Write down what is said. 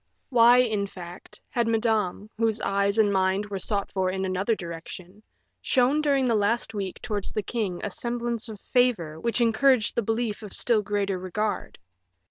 Why, in fact, had Madame, whose eyes and mind were sought for in another direction, shown during the last week towards the king a semblance of favor which encouraged the belief of still greater regard.